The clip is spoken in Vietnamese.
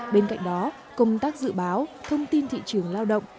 bên cạnh đó công tác dự báo thông tin thị trường lao động